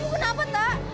tak ibu kenapa tak